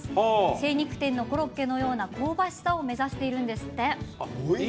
精肉店のコロッケのような香ばしさを目指しているんですって。